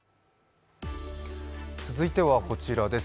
続いてはこちらです。